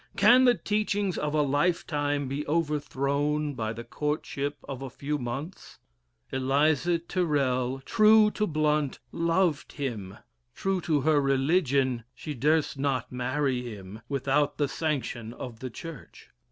Can the teachings of a lifetime be overthrown by the courtship of a few months? Eliza Tyrrel, true to Blount, loved him; true to her religion, she durst not marry him without the sanction of the Church.